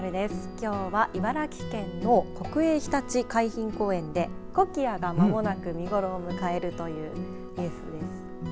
きょうは茨城県の国営ひたち海浜公園でコキアがまもなく見頃を迎えるというニュースです。